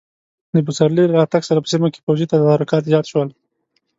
د پسرلي له راتګ سره په سیمه کې پوځي تدارکات زیات شول.